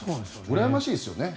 うらやましいですよね。